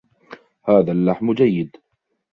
هذا اللحم جيد.